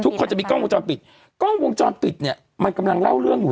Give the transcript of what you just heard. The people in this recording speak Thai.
ก็จะมีกล้องวงจรปิดกล้องวงจรปิดเนี่ยมันกำลังเล่าเรื่องอยู่